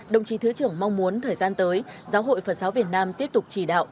đồng chí thứ trưởng mong muốn thời gian tới giáo hội phật giáo việt nam tiếp tục chỉ đạo